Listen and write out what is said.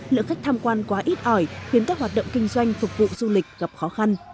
lượng khách tham quan quá ít ỏi khiến các hoạt động kinh doanh phục vụ du lịch gặp khó khăn